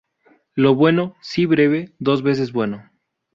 Lo bueno, si breve, dos veces bueno